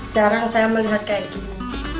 jarang saya melihat kayak gini